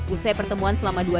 usai pertemuan selama dua hari